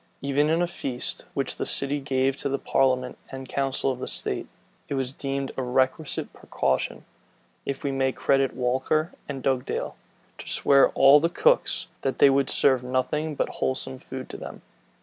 Even in a feast which the city gave to the parliament and council of state, it was deemed a requisite precaution, if we may credit Walker and Dugdale, to swear all the cooks, that they would serve nothing but wholesome food to them.